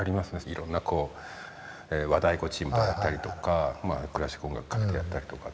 いろんな和太鼓チームとやったりとかクラシック音楽をかけてやったりとか。